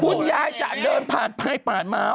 คุณยายจะเดินผ่านมา